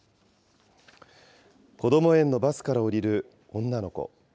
こども園のバスから降りる女の子。